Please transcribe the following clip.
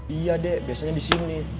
iya deh biasanya disini